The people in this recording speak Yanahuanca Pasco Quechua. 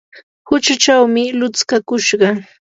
huchuchawmi lutskakushqa.